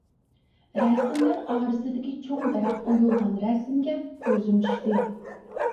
رەسىملەر ئارىسىدىكى چوڭ دەرەخ ئويۇلغان رەسىمگە كۆزۈم چۈشتى.